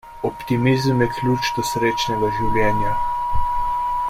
Optimizem je ključ do srečnega življenja.